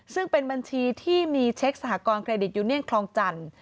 ซึ่งเป็นบัญชีที่มีเช็คสหกรณเครดิตยูเนียนคลองจันทร์